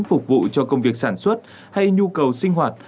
phục vụ cho công việc sản xuất hay nhu cầu sinh hoạt